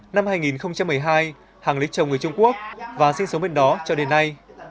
năm hai nghìn một mươi hai hàng lý chồng người trung quốc và sinh sống bên đó cho đến nay